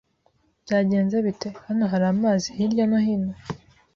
Byagenze bite? Hano hari amazi hirya no hino.